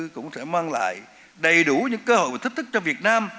cũng sẽ mang lại đầy đủ những cơ hội và thách thức cho việt nam